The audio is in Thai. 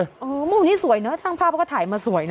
โอ้โหมุมนี้สวยเนอะช่างภาพเขาก็ถ่ายมาสวยนะ